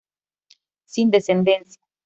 Sin descendencia.